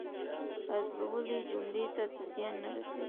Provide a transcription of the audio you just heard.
حذفول یې جملې ته څه زیان نه رسوي.